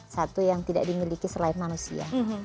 satu yang tidak dimiliki selain manusia